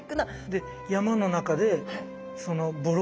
で山の中でそのあら。